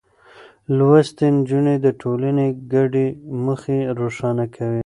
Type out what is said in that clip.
لوستې نجونې د ټولنې ګډې موخې روښانه کوي.